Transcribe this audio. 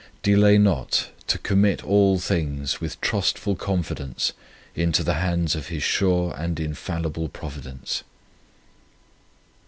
Delay not to commit all things with trustful confidence into the hands of His sure and infallible Providence.